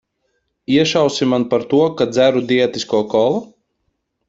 Iešausi man par to, ka dzeru diētisko kolu?